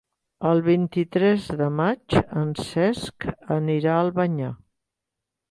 El vint-i-tres de maig en Cesc anirà a Albanyà.